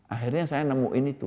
akhirnya saya nemuin itu